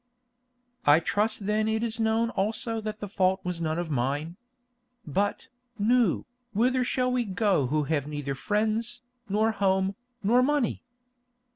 "I trust then it is known also that the fault was none of mine. But, Nou, whither shall we go who have neither friends, nor home, nor money?"